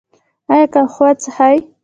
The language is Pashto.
ایا قهوه څښئ؟